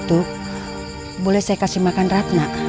itu boleh saya kasih makan ratna